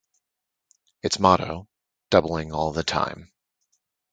Its motto: Doubling all the time.